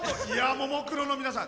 ももクロの皆さん